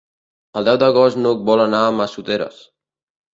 El deu d'agost n'Hug vol anar a Massoteres.